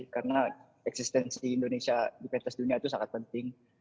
karena eksistensi indonesia di kertas dunia itu sangat penting